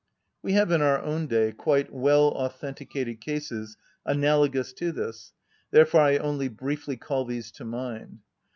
We have in our own day quite well‐authenticated cases analogous to this; therefore I only briefly call these to mind.